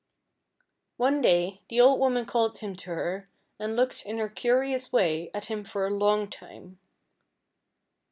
One day the old woman called him to her, and looked, in her curious way, at him for a long time.